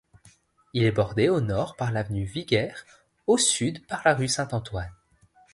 Il est bordé au nord par l'avenue Viger, au sud par la rue Saint-Antoine.